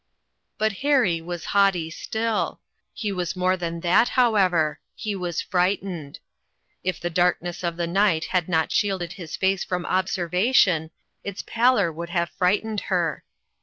But Harry was haughty still. He was more than that, however ; he was fright ened. If the darkness of the night had not shielded his face from observation, its pallor would have frightened her.